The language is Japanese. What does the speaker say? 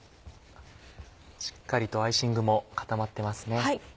しっかりとアイシングも固まってますね。